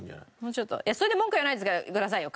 それで文句言わないでくださいよ。